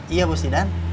iya bos idan